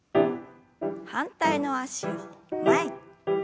反対の脚を前に。